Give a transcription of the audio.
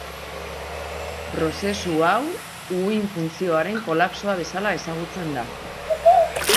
Prozesu hau uhin funtzioaren kolapsoa bezala ezagutzen da.